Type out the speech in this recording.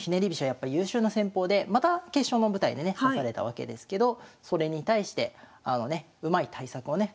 やっぱり優秀な戦法でまた決勝の舞台でね指されたわけですけどそれに対してうまい対策をね